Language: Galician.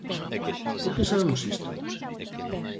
¿Por que sabemos isto?